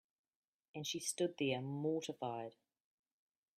And she stood there mortified.